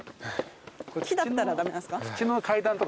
木だったら駄目なんすか？